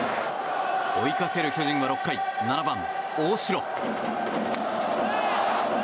追いかける巨人は６回７番、大城。